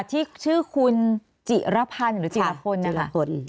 ที่ชื่อคุณจิระพันธ์หรือจิรพลนะคะ